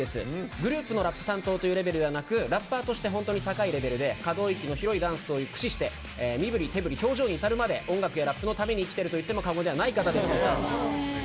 グループのラップ担当というレベルではなくラッパーとして本当に高いレベルで可動域の広いダンスを駆使して身ぶり手ぶり表情に至るまで音楽やラップのために生きてるといっても過言ではないという方です。